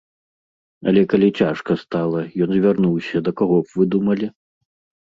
Але калі цяжка стала, ён звярнуўся да каго б вы думалі?